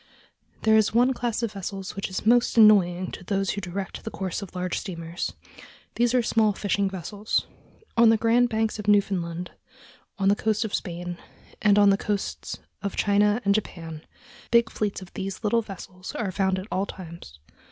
There is one class of vessels which is most annoying to those who direct the course of large steamers. These are small fishing vessels. On the Grand Banks of Newfoundland, on the coast of Spain, and on the coasts of China and Japan big fleets of these little vessels are found at all times.